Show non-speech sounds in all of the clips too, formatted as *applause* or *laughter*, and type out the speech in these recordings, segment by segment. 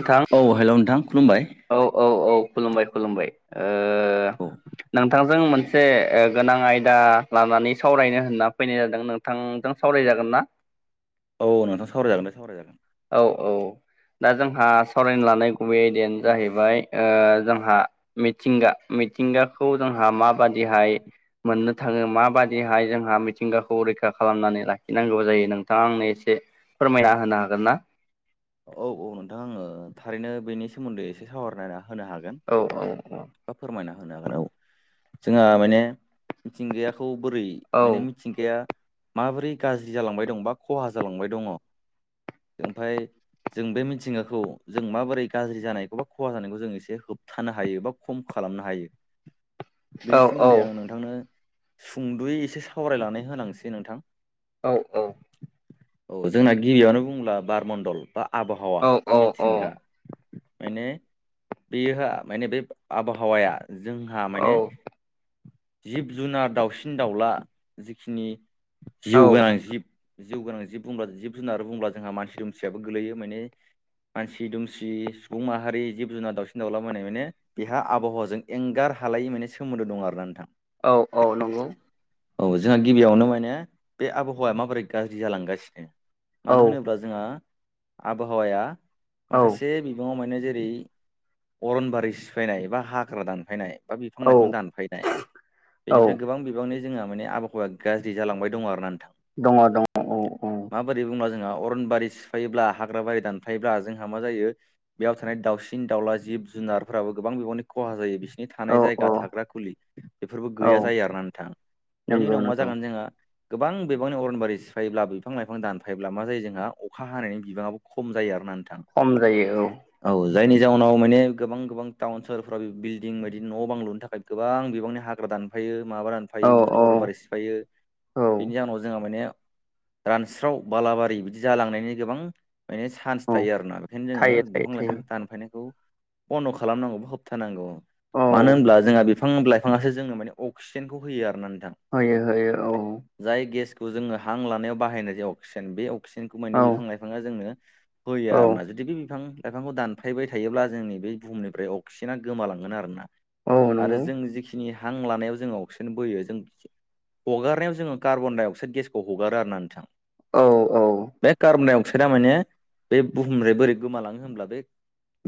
नोंथां औ हेल' नोंथां। खुलुमबाय औ औ औ खुलुमबाय खुलुमबाय औ ओ नोंथां जों मोनसे ओ गोनां आयदा लानानै सावरायनो होनना फैनाय जादों नोंथांजों सावरायजागोन ना? *inaudible* औ औ नोंथां सावरायजागोन दे सावरायजागोन औ औ दा जोंहा सावरायनो लानाय गुबै आयदानो जाहैबाय ओ जोंहा मिथिंगा मिथिंगाखौ जोंहा माबादिहाय मोननो थाङो माबादिहाय जोंहा मिथिंगाखौ रैखा खालामनानै लाखिनांगौ जायो नोंथाङा आंनो एसे फोरमायना होनो हागोन ना? औ औ नोंथां आङो थारैनो बेनि सोमोन्दै एसे सावरानाय ना होनो हागोन औ एबा फोरमायना होनो हागोन औ जोंहा माने मिथिंगायाखौ बोरै औ माने मिथिंगाया माबोरै गाज्रि जालांबाय दं बा खहा जालांबाय दङ ओमफाय जों बे मिथिंगाखौ जों माबोरै गाज्रि जानायखौ बा खहा जानायखौ जों एसे होबथानो हायो बा खम खालाम- खालामनो हायो। *inaudible* औ बेनि औ सोमोन्दै आं नोंथांनो सुंद'यै एसे सावरायनानै होलांनोसै नोंथां औ औ जोंना गिबियावनो बुंब्ला बारमण्डल बा आबहावा औ बा मिथिंगा माने बेयोहा माने बे आबहावाया जोंहा औ माने जिब जुनार दाउसिन दाउला जिखिनि जिउ औ गोनां जिब जिउ गोनां जिब बुंब्ला जिब जुनार बुंब्ला जोंहा मानसि दुमसियाबो गोलैयो माने मानसि दुमसि सुबुं माहारि जिब जुनार दावउसिन दाउला माने बेहा आबहावाजों एंगार हालायै माने सोमोन्दो दं आरोना नोंथां औ औ नंगौ। औ जोंहा गिबियावनो माने बे आबहावाया माबोरै गाज्रि जालांगासिनो औ मानो होनोब्ला जोंहा आबहावाया औ माखासे बिबाङाव माने जेरै अरनबारि सिफायनाय बा हाग्रा दानफायनाय बा बिफां औ लाइफां दानफायनाय औ बेनिफ्राय गोबां बिबांनि जोंहा माने आबहावाया गाज्रि जालांबाय दङ आरोना। नोंथां दङ दङ औ औ। अरन बारि सिफायोब्ला हाग्रा बारि दानफायोब्ला जोंहा मा जायो बेयाव थानाय दाउसिन दाउला जिब जु जुनारफोराबो गोबां बिबांनि खहा जायो बिस नि औ थानाय औ जायगा थाग्रा खुलि बेफोरबो औ गैया जायो आरोना नोंथां। बेनि नंगौ उनाव मा नंगौ जागोन जोंहा गोबां बिबांनि अरनबारि सिफायोब्ला बिफां लाइफां दानफायोब्ला मा जायो जोंहा अखा हानायनि बिबाङाबो खम जायो आरोना। नोंथां खम जायो औ। जायनि जाउनाव माने गोबां गोबां टाउन सोहोरफ्राव बिल्डिं बायदि न' बां लुनो थाखाय गोबां बिबांनि हा हाग्रा दानफायो माबा दानफायो औ बिदिनो औ अरनबारि सिफायो। औ बिनि जाहोनाव जोंहा माने रानस्राव बालाबारि बिदि जालांनायनि गोबां माने सान्स औ थायो आरोना बेखायनो जोङो थायो थायो बिफां लाइफां थायो दानफायनायखौ बन्द' खालामनांगौ बा होबथानांगौ औ मानो होनब्ला जोंहा बिफां लाइफाङासो जोंनो माने अक्सिजेनखौ होयो आरोना नों होयो होयो औ। थ' जोङो हां लानायाव बाहायनाय जे अक्सिजेन बे अक्सिजेनखौ औ माने बिफां लाइफाङा जोंनो होयो औ आरोना जुदि बे बिफां लाइफांखौ दानफायबाय थायोब्ला जोंनि बे बुहुमनिफ्राय अक्सिजेना गोमालांगोन आरोना। औ आरो नंगौ जों जिखिनि हां लानायाव जों अक्सिजेन बोयो जों बिथि हगारनायाव जोङो कार्बन डाइ अक्साइद गेसखौ हगारो आरोना नोंथां। औ औ। फिसोरा माने बे बुहुमनिफ्राय बोरै गोमालाङो होनब्ला बे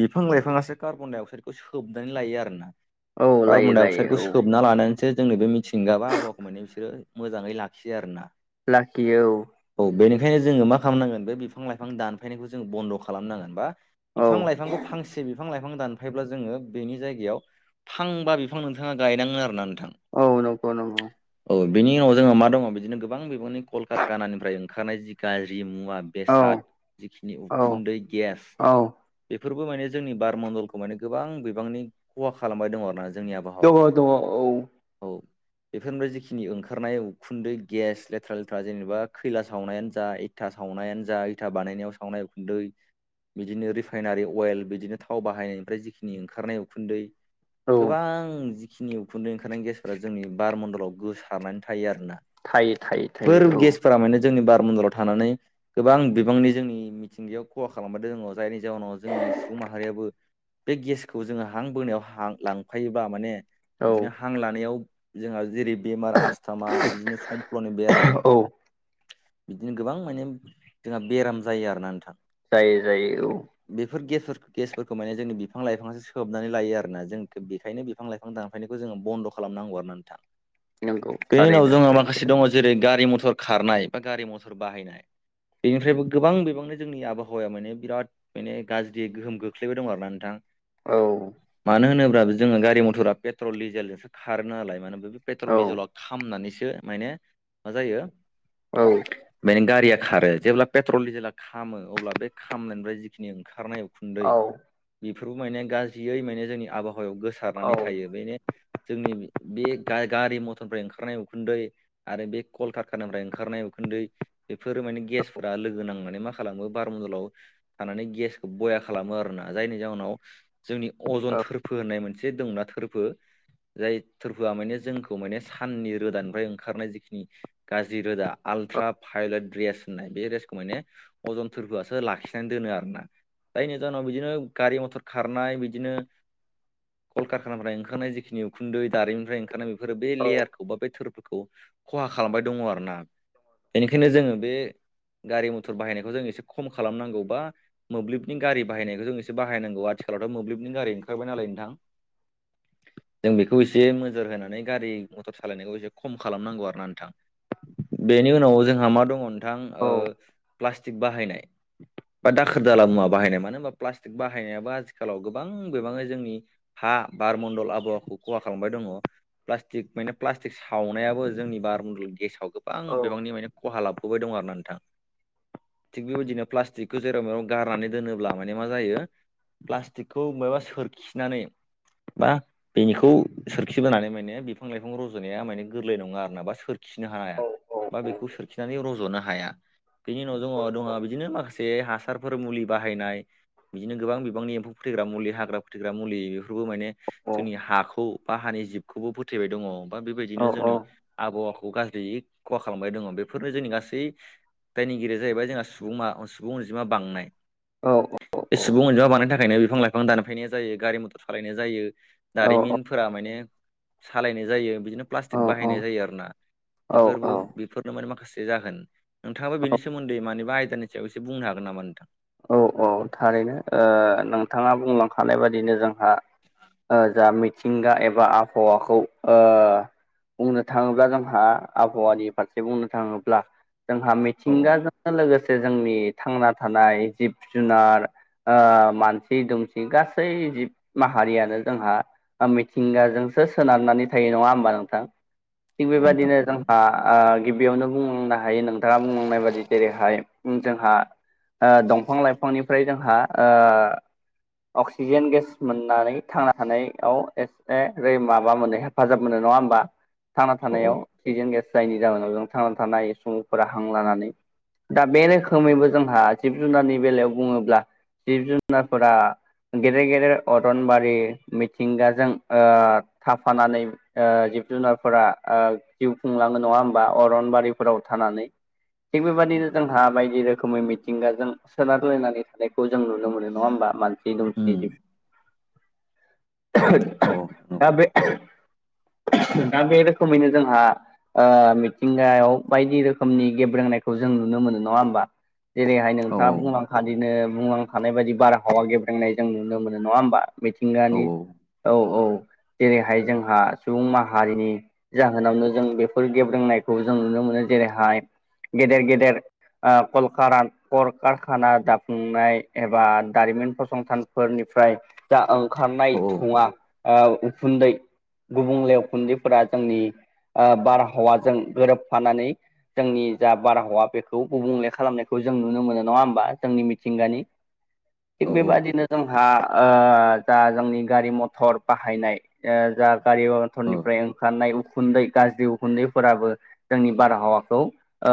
बिफां लाइफाङासो कार्बन डाइ अक्साइडखौ सोबनानै लायो आरोना। औ लायो कार्बन डाइ अक्सायदखौ लायो औ सोबना लानो बिसोर जोंनि बे मिथिंगाबा आबहावाखौ माने बिसोरो मोजाङै लाखियो आरो ना। लाखियो औ। बेनिखायनो जोङो मा खालामनांगोन बे बिफां लाइफां दानफैनायखौ जों बन्द' खालामनांगोन। बा औ बिफां लाइफांखौ फांसे बिफां लाइफां दानफायोब्ला जोङो बेनि जायगायाव फांबा बिफां थाङा गायनाङो आरोना *unintelligible* औ नंगौ नंगौ। औ बेनि उनाव जोङो मा दङ बिदिनो गोबां बिबांनि कल कारखानानिफ्राय ओंखारनाय जि गाज्रि मुं वा औ बेसाद जिखिनि औ उखुन्दै गेस औ बे फोरबो माने जोंनि बार मन्दलखौ माने गोबां बिबांनि खहा खालामबाय दङ आरोना। जोंनि आबहावा खहा दङ औ। औ बेफोरनिफ्राय जिखिनि ओंखारनाय उखुन्दै गेस लेथ्रा लेथ्रा जेनेबा खैला सावनायानो जा इथा साव अनायानो जा इथा बानायनायाव सावनाय उखुन्दै बिदिनो रिफाइनारि अवेल बिदिनो थाव बाहायनायनिफ्राय जिखिनि ओंखारनाय उखुन्दै औ गोबां जिखिनि उखुन्दै ओंखारनाय गेसफोरा जोंनि बारमन्दलाव गोसारनानै थायो आर ना थायो थायो फोर थायो औ गेसफोरा माने जोंनि बारमन्दलाव थानानै गोबां बिबांनि जोंनि मिथिंगायाव खहा खालामबाय दोङ जायनि जाउनाव जोंनि बे सुबुं माहारियाबो बे गेसखौ जोङो हां बोनायाव हां लांफायोबा माने औ बिदिनो हां लानायाव जोंहा जेरै बेमार आस्थामा बिदिनो समफ्ल'नि बेराम औ बिदिनो गोबां माने जोंहा बेराम जायो आरोना नोंथां। जायो जायो औ। फोर गेसफोरखौ माने जोंनि बिफां लाइफाङासो सोबनानै लायो आरोना। जों खो बेखायनो बिफां लाइ फां दानफायनायखौ जोङो बन्द खालामनांगौ आरो नोंथां। नंगौ बेनि उनाव थारैनो जोंहा माखासे सैथो दङ जेरै गारि मथर खारनाय बा गारि मथर बाहायनाय। बेनिफ्रायबो गोबां बिबांनो जोंनि आबहावाया माने बिराद माने गाज्रि गोहोम खोख्लैबाय दं आरोना नोंथां। औ। मानो होनोब्ला जोङो गारि मथरा पेट्रल डिजेलजोंसो खारो नालाय मानो होनबा बे पेट्रल औ डिजेलाव ख खामनानैस सो माने मा जायो औ माने गारिया। खारो जेब्ला पेट्रल डिजेला खामो अब्ला बे खामनायनिफ्राय जिखिनि ओंखारनायाव उखुन्दै औ बेफोरबो माने गाज्रियै माने जोंनि आबहावायाव गोसारनानै औ औ थायो जोंनि बे गा गारि मथरनिफ्राय ओंखारनाय उखुन्दै आरो बे कल कारखानिफ्राय। ओंखारनाय उखुन्दै बेफोरो माने गेसफोरा लोगो नांनानै मा खालामो बार मन्दलाव थानानै गेसखौ बया खालामो आरोना जायनि जाहनाव जोंनि अजन थोरफो होननाय मोनसे दंना थोरफो। जाय थोरफोआ माने जोंखौ माने साननि रोदानिफ्राय ओंखारनाय जिखिनि गाज्रि रोदा। आल्ट्रा भायलेट र्रेस होननाय बे रेसखौ माने अजनथफोरखौआसो लाखिनानै दोनो आरोना। जायनि जाहोनाव बिदिनो गारि मथर खारनाय बिदिनो कलका खानिफ्राय ओंखारनाय जिखिनि उखुन्दै दारिनिफ्राय ओंखारनाय बेफोर बे औ लेयारखौ बा बे थोर खौ खहा खालामबाय दङ आरो ना बेनिखायनो जोङो बे गारि मटर बायनायखौ जों एसे खम खालामनांगौ बा मोब्लिबनि गारि बायनायखौ जों एसे बाहायनांगौ आथिलावथ' मोब्लिब। नि गारि ओंखारबायनालाय नोंथां। *inaudible* जों बेखौ एसे नोजोर होनानै गारि मटर सालायनायखौ एसे खम खालामनांगौ आरोना नोंथां। बेनि उनाव जोंहा मा दङ नोंथां औ ओ प्लास्टिक बाहायनाय। बा दाखोर दाला मुवा बाहायनाय मानो होनबा प्लास्टिक बाहायनायाबो आथिखालाव गोबां बिबाङै जोंनि हा बारमण्डल आबहावाखौ खहा खालामबाय दङ प्लास्टिक माने प्लास्टिक सावनायाबो जोंनि बारमणडल गेसाव गोबां औ बिबांनि माने खहा लाबोबाय दं आरो ना नोंथां। थिग बेबायदिनो प्लास्टिकखौ जेराव मेराव गारनानै दोनोब्ला माने मा जायो। प्लास्टिकखौ मायबा सोरखिनानै। बा बेनिखौ सोरखिबोनानै माने बिफां लाइफां रज'नाया माने गोरलै नङा आर ना बा सोर। खिनो हाया औ बा बेखौ सोरखिनानै रज'नो हाया। बेनि उनाव जोंङ दङ बिदिनो माखासे हासारफोर मुलि बाहायनाय। बिदि गोबांनि एमफौ फोथैग्रा मुलि हाग्रा फोथैग्रा मुलि बेफोरबो माने जोंनि हाखौ बा हानि जिबखौबो फोथैबाय दङ। बा बेबायदिनो जोंनि आबहावाखौ गाज्रियै खहा खालामबाय दङ बेफोरनो जोंनि गासै। दायनिगिरिया जाहैबाय जोंहा सुबुं सुबुं अनजिमा बांनाय। बे सुबुं अनजिमा बांनायनि थाखायनो बिफां लाइफां दानफायनाया जायो गारि मथर सालायनाय जायो। दारिमिनफोरा माने सालायनाय जायो बिदिनो प्लास्टिक बाहायनाय जायो आरो ना। बेफोरबो औ बेफोरनो माने माखासे। माखासे जाहोन नोंथाङाबो बेनि सोमोन्दै मानिबा आयदानि सायाव एसे बुंनो हागोन नामा नोंथां औ औ थारैनो ओ नोंथाङा बुंलांखानाय बादिनो जोंहा ओ जा मिथिंगा एबा आबहावाखौ ओ बुंनो थाङोब्ला जोंहा आबहावानि फारसे बुंनो थाङोब्ला जोंहा औ औ मिथिंगाजों लोगोसे जोंनि थांना थानाय जिब-जुनार ओ मानसि दुमसि गासै जिब माहारियानो जोंहा। मिथिंगाजोंसो सोनारनानै थायो नङा होमबा नोंथां। थिग औ नोंथां बेबायदिनो औ जोंहा ओ गिबियावनो। बुंनो हायो नोंथाङा बुंलांनाय बाददि जेरैहाय जोंहा दंफां। फां लाइफांनिफ्राय जोंहा। अक्सिजेन गेस मोननानै थांना थानायाव एसे माबा मोनो हेफाजाब मोनो। नङा होमबा? थांना औ औ थानायाव अक्सिजेन गेस जायनि जाहोनाव जों थांना थानो हायो सुबुंफोरा हां लानानै। दा बे रोखोमैबो जोंहा जिब जुनारनि बेलायाव बुङोब्ला जिब जुनारफोरा। गेदेर गेदेर अरनबारि मिथिंगाजों ओ थाफानानै ओ जिब जुनारफोरा ओ जिउ खुंलाङो नङा होनबा अरनबारिफोराव थानानै थिग बेबायदिनो उम जोंहा बायदि रोखोमै मिथिंगाजों सोनारलायनानै थानायखौ जों नुनो मोनो नङा होमबा मानसि दुमसि जिब औ दा औ बे दा बे रोखोमैनो जोंहा ओ मिथिंगायाव बायदि रोखोमनि गेब्रेंनायखौ जोङो नुनो मोनो नङा होमबा जेरैहाय नों औ थाङा बुंलांखादिनो बुंलांखानाय बायदि बारहावा गेब्रेनाय जों नुनो मोनो नङा होमबा औ मिथिंगानि औ औ जेरैहाय जोंहा सुबुं माहारिनि जाहोनावनो जों बेफोर गेब्रेंनायखौ जों नुनो मोनो जेरैहाय गेदेर गेदेर ओ कलकारा कल कारखाना दाफुंनाय एबा दारिमिन फसंथानफोरनिफ्राय जा ओंखारनाय औ औ थुङा ओ उखुन्दै गुबुंले उखुन्दैफोरा जोंनि ओ बारहावाजों गोरोबफानानै जोंनि जा बारहावा बेखौ गुबुंले खालामनायखौ जों नुनो मोनो नङा होमबा जोंनि मिथिंगानि थिग बेबादिनो जोंहा ओ जा जोंनि गारि मथर बाहायनाय ओ जा गारि मथरनिफ्राय ओंखारनाय उखुन्दै गाज्रि उखुन्दैफोराबो जोंनि बारहावाखौ ओ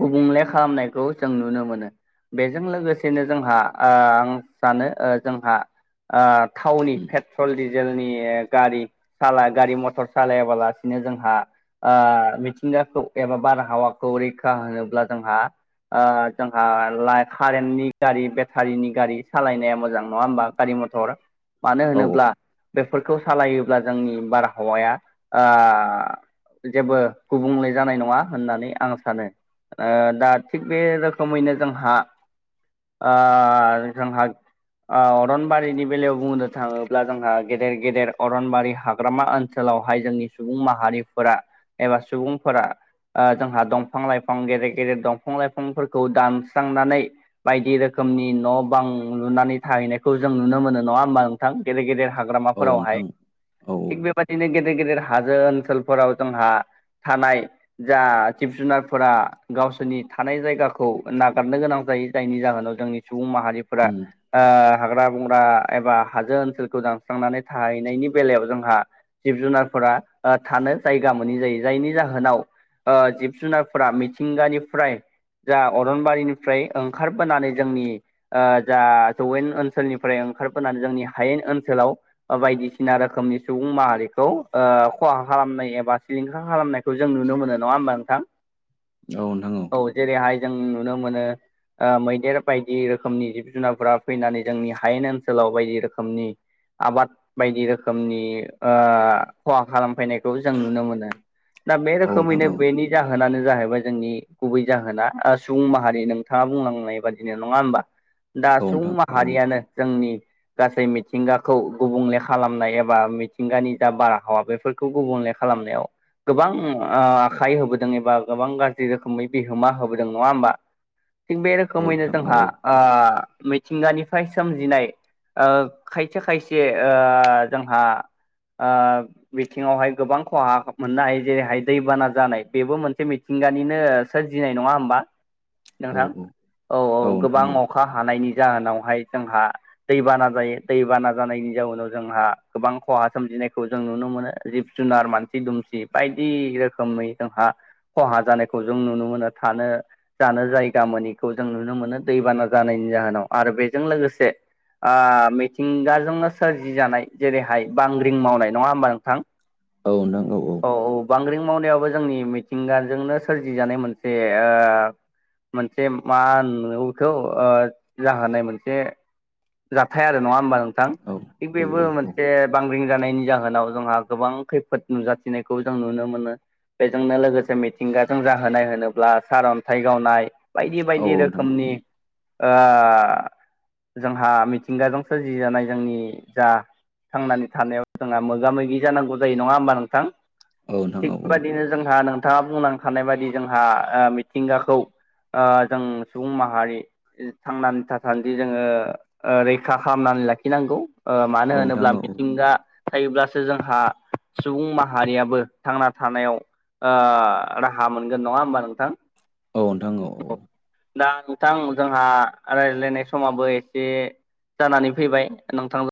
गुबुंले खालामनायखौ जों नुनो मोनो बेजों लोगोसेनो जोंहा ओ आं सानो ओ जोंहा ओ थावनि पेट्रल नि डिजेलनि गारि साला गारि मथर सालायाबालासिनो जोंहा ओ मिथिंगाखौ एबा बारहावाखौ रैखा होनोब्ला जोंहा ओ जोंहा कारेन्टनि गारि बेटारिनि गारि सालायनाया मोजां नङा होमबा गारि मथ थर मानो होनोब्ला बे फोरखौ सालायोब्ला जोंनि बारहावाया ओ जेबो गुबुंले जानाय नङा होननानै आं सानो दा थिग बे रोखोमैनो जोंहा ओ जोंहा ओ अरनबारिनि बेलायाव बुंनो थाङोब्ला जोंहा गेदेर गेदेर अरनबारि हाग्रामा ओनसोल आवहाय जोंनि सुबुं माहारिफोरा एबा सुबुंफोरा ओ जोंहा दंफां लाइफां गेदेर गेदेर दं फां लाइफांफोरखौ दानस्रांनानै बायदि रोखोमनि न' बां लुनानै थाहैनायखौ जों जों नुनो मोनो नङा होमबा नोंथां गेदेर गेदेर औ हाग्रामाफोरावहाय नोंथां औ थिग बेबादिनो गेदेर गेदेर हाजो ओनसोलफोराव जोंहा थानाय जा जिब जुनारफोरा गावसोरनि थानाय जायगाखौ नागारनो गोनां जायो जायनि जाहोनाव जोंनि सुबुं माहारिफोरा उम ओ हाग्रा बंग्रा एबा हाजो ओनसोलखौ दानस्रांनानै थाहैनायनि बेलायाव जोंहा जिब जुनारफोरा ओ थानो जायगा मोनै जायो जायनि जाहोनाव जिब जुनारफोरा मिथिंगानिफ्राय जा अरनबारिनिफ्राय ओंखारबोनानै जोंनि जा जौवेन ओनसोलनिफ्राय ओंखारबोनानै जोंनि हायेन ओनसोलाव ओ बायदिसिना रोखोमनि सुबुं माहारिखौ ओ खहा खहा खालामनाय एबा सिलिंखार खालामनायखौ जों नुनो मोनो नङा होमबा नोंथां औ नोंथां औ औ जेरैहाय जों नुनो मोनो ओ मैदेर बायदि रोखोमनि जिब जुनारफोरा फैनानै जों नि हायेन ओनसोलाव बायदि रोखोमनि आबाद बायदि रोखोमनि ओ खहा खालामफैनायखौ जों नुनो मोनो। दा बे औ नोंथां रोखोमैनो औ बेनि जाहोनानो जाहैबाय जोंनि गुबै जाहोना ओ सुबुं माहारि नोंथाङा बुंलांनाय बादिनो नङा होमबा दा औ सुबुं नोंथां औ माहारियानो जोंनि गासै मिथिंगाखौ गुबुंले खालामनाय एबा मिथिंगानि जा बारहावा बेफोरखौ गुबुंले नाय खालामनायाव गोबां ओ आखाइ होबोदों एबा गोबां गारजि रोख खोमै बिहोमा होबोदों। नङा होमबा? थिग बे औ रोखोमैनो नोंथां औ जोंहा आ मिथिंगानिफ्राय सोमजिनाय ओ खायसे खायसे ओ जोंहा आ बिथिङावहाय गोबां खहा मोननो हायो जेरैहाय दैबाना जानाय बेबो मोनसे मिथिं गानिनो सोरजिनाय नङा होमबा? औ नोंथां औ औ गोबां अखा हानायनि जाहोनावहाय जोंहा दैबाना जायो। दैबाना जानायनि जाउनाव जोंहा गोबां खहा सोमजिनायखौ जों नुनो मोनो जिब जुनार मानसि दुमसि बायदि रोखोमै जोंहा खहा जानायखौ जों नुनो मोनो। थानो जानो जायगा मोनिखौ जों नुनो मोनो दैबाना जानायनि जाहोनाव आरो बे बेजों लोगोसे आ मिथिंगाजोंनो सोरजि जानाय जेरैहाय बांग्रिं मावनाय। नङा होमबा नोंथां? औ नोंथां‌ औ औ। मावनायावाबो जोंनि मिथिंगाजोंनो सोरजि जानाय मोनसे ओ मोनसे मा होनो बेखौ ओ जाहोनाय मोनसे जाथाय आरो नङा होमबा नोंथां औ थिग औ बेबो औ मोन से बांग्रिं जानायनि जाहोनाव जोंहा गोबां खैफोद नुजाथिनायखौ जों नुनो मोनो। बेजोंनो लोगोसे मिथिंगा जों जाहोनाय होनोब्ला सारअन्थाइ गावनाय बायदि औ बायदि रोखोमनि नोंथां ओ जोंहा मिथिंगाजों सोरजिजानाय जोंनि जा थांनानै थानायाव जोंहा मोगा मोगि जानांगौ जायो। नङा होमबा नोंथां? औ नोंथां थिग औ औ बेबायदिनो जोंहा नोंथाङा बुंलां थानाय बायदि जोंहा ओ मिथिंगाखौ ओ जों सुबुं माहारि इ थांनानै थानानैदि जोङो ओ रैखा खालामना नै लाखि नांगौ। ओ मानो औ नोंथां होनोब्ला औ मिथिंगा थायोब्लास सो जोंहा सुबुं माहारियाबो थांना थानायाव ओ राहा मोनगोन। नङा होमबा नोंथां? औ नोंथां औ औ। दा नोंथां जोंहा रायज्लायनाय समाबो एसे जानानै फैबाय। नोंथांजो